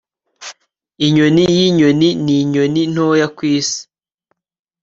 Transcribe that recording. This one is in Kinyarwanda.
inyoni yinyoni ninyoni ntoya kwisi